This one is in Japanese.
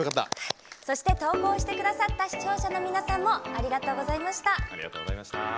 そして、投稿してくださった視聴者の皆さんもありがとうございました。